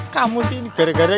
kamu sih ini gara gara